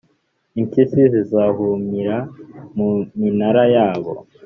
Impyisi zizahumira mu minara yabo,